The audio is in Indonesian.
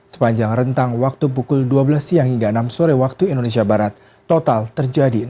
sepanjang rentang waktu pukul dua belas siang hingga enam sore waktu indonesia barat total terjadi